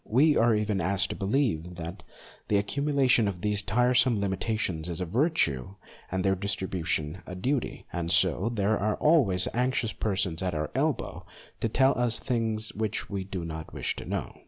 We are even asked to believe that the accumu lation of these tiresome limitations is a virtue and their distribution a duty, and so there are always anxious persons at our elbow to tell us things which we do not wish to know.